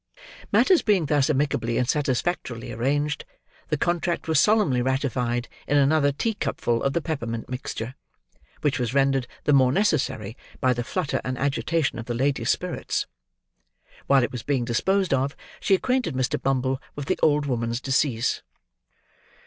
Matters being thus amicably and satisfactorily arranged, the contract was solemnly ratified in another teacupful of the peppermint mixture; which was rendered the more necessary, by the flutter and agitation of the lady's spirits. While it was being disposed of, she acquainted Mr. Bumble with the old woman's decease.